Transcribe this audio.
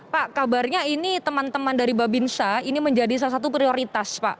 pak kabarnya ini teman teman dari babinsa ini menjadi salah satu prioritas pak